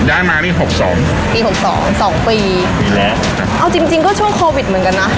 ย้ายมานี่หกสองปีหกสองสองปีแล้วเอาจริงจริงก็ช่วงโควิดเหมือนกันนะ